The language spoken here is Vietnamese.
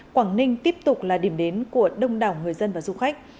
quảng ninh tiếp tục là điểm đến của đông đảo người dân và du khách